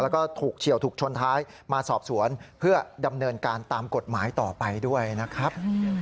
แล้วก็ถูกเฉียวถูกชนท้ายมาสอบสวนเพื่อดำเนินการตามกฎหมายต่อไปด้วยนะครับ